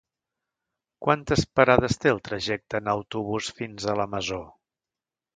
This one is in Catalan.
Quantes parades té el trajecte en autobús fins a la Masó?